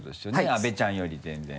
阿部ちゃんより全然。